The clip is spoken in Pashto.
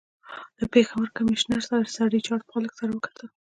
له پېښور کمیشنر سر ریچارډ پالک سره وکتل.